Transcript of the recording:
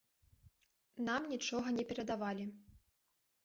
Нам нічога не перадавалі.